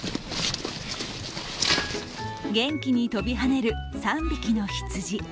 元気に跳びはねる３匹の羊。